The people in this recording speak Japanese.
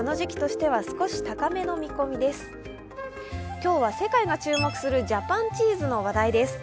今日は、世界が注目するジャパンチーズの話題です。